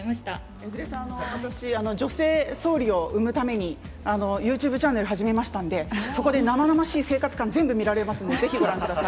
江連さん、私、女性総理を生むために、ユーチューブチャンネル始めましたんで、そこで生々しい生活感全部見られますので、ぜひご覧ください。